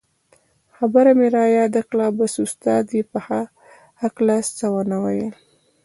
خبره مې رایاده کړه بس استاد یې په هکله څه و نه ویل.